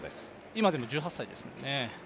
今でも１８歳ですもんね。